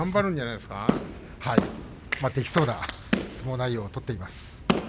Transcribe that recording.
できそうな相撲内容を取っています。